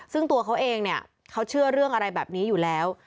ซึ่งตัวเขาเองเนี่ยเขาเชื่อเรื่องอะไรแบบนี้อยู่แล้ว